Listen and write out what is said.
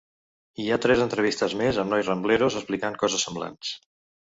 Hi ha tres entrevistes més amb nois Rambleros explicant coses semblants.